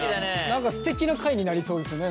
何かすてきな回になりそうですよね